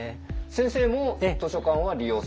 先生も図書館は利用されてるんですか？